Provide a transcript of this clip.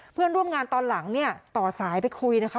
เพื่อนร่วมงานตอนหลังเนี่ยต่อสายไปคุยนะคะ